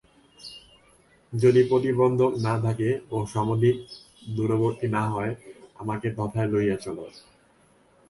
যদি প্রতিবন্ধক না থাকে ও সমধিক দূরবর্তী না হয় আমাকে তথায় লইয়া চল।